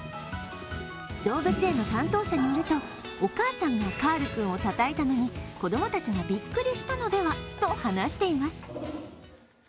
動物園の担当者によると、お母さんがカールをたたいたのに子供たちがビックリしたのではと話しています。